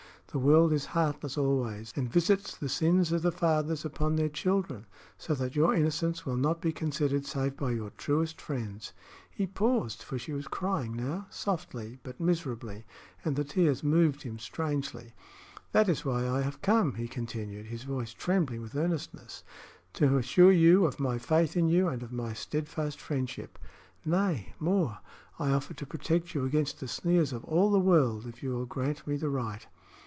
The world is heartless always, and visits the sins of the fathers upon their children; so that your innocence will not be considered save by your truest friends." He paused, for she was crying now, softly but miserably, and the tears moved him strangely. "That is why I have come," he continued, his voice trembling with earnestness, "to assure you of my faith in you and of my steadfast friendship. Nay, more; I offer to protect you against the sneers of all the world, if you will grant me the right."